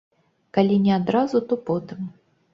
Калі не адразу, то потым.